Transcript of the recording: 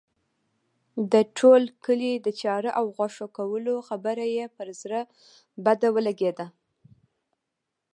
د ټول کلي د چاړه او غوښه کولو خبره یې پر زړه بد ولګېده.